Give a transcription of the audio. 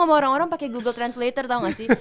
sama orang orang pakai google translator tau gak sih